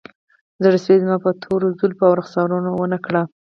زړسوی یې زما په تورو زلفو او رخسار ونه کړ